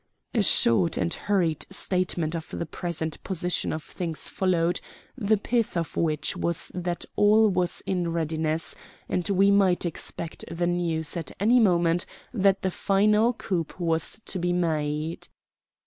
A short and hurried statement of the present position of things followed, the pith of which was that all was in readiness, and we might expect the news at any moment that the final coup was to be made.